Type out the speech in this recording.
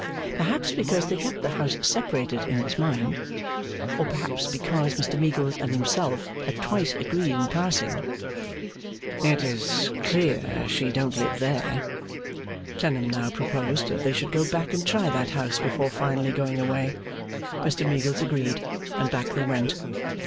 Perhaps because they kept the house separated in his mind, or perhaps because Mr Meagles and himself had twice agreed in passing, 'It is clear she don't live there,' Clennam now proposed that they should go back and try that house before finally going away. Mr Meagles agreed, and back they went.